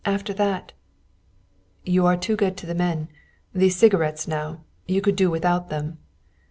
After that " "You are too good to the men. These cigarettes, now you could do without them."